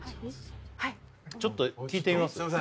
ちょっと聞いてみます？